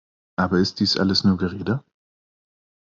Aber ist dies alles nur Gerede?